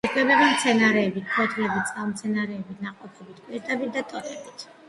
იკვებება მცენარეებით: ფოთლებით, წყალმცენარეებით, ნაყოფებით, კვირტებით და ტოტებით.